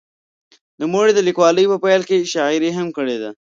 نوموړي د لیکوالۍ په پیل کې شاعري هم کړې ده.